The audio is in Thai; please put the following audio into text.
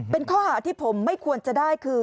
เป็นข้อหาที่ผมไม่ควรจะได้คือ